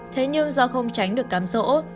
thế nhưng do không tránh được cám dỗ